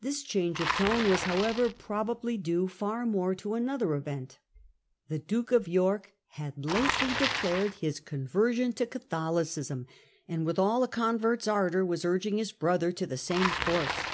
This change of tone was however probably due far more to another event. The Duke of York had lately Conversion declared his conversion to Catholicism, and of James. with a p a convert's ardour was urging his brother to the same course.